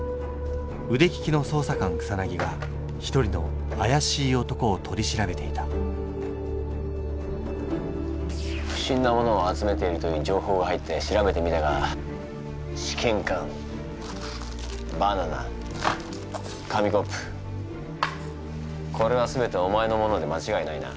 うでききの捜査官草が一人のあやしい男を取り調べていた不審なものを集めているというじょうほうが入って調べてみたが試験管バナナ紙コップこれは全てお前のものでまちがいないな？